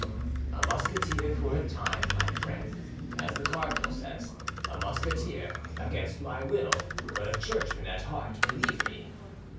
"A Musketeer for a time, my friend, as the cardinal says, a Musketeer against my will, but a churchman at heart, believe me.